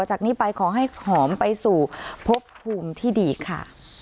จากนี้ไปขอให้หอมไปสู่พบภูมิที่ดีค่ะ